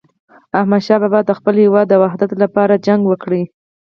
احمد شاه بابا د خپل هیواد د وحدت لپاره جګړه وکړه.